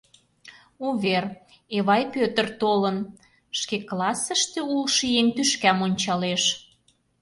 — Увер: Эвай Пӧтыр толын! — шке классыште улшо еҥ тӱшкам ончалеш.